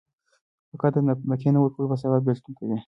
قضا د نفقې نه ورکولو په سبب بيلتون کوي.